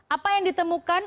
apa yang ditemukan